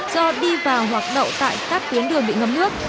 do đi vào hoặc đậu tại các tuyến đường bị ngấm nước